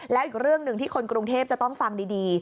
แล้วอีกเรื่องหนึ่งที่คนกรุงเทพจะต้องฟังดี